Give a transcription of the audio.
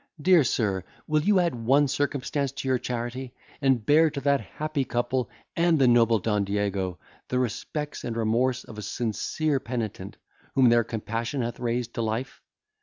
Dear sir, will you add one circumstance to your charity, and bear to that happy couple, and the noble Don Diego, the respects and the remorse of a sincere penitent, whom their compassion hath raised to life?